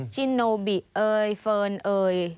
ชิโนบิเอยเฟิร์นเอ่ย